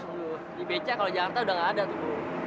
duh di beca kalau jakarta udah enggak ada tuh